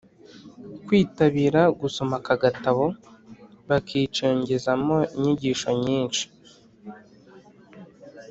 kwitabira gusoma aka gatabo, bakicengezamo inyigisho nyinshi